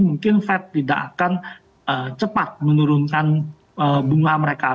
mungkin fed tidak akan cepat menurunkan bunga mereka